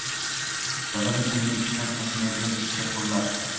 va bir necha million ishdan qochmaydigan ishchi qo‘llar.